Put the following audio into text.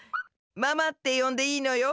ママってよんでいいのよ。